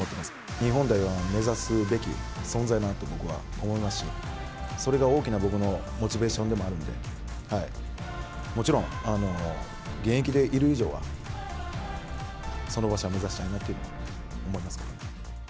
日本代表は目指すべき存在だなと僕は思いますし、それが大きな僕のモチベーションでもあるので、もちろん現役でいる以上は、その場所は目指したいなと思います。